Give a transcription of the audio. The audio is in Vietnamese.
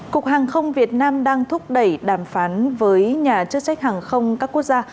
cục hàng không việt nam đang thúc đẩy đàm phán với nhà chức trách hàng không các quốc gia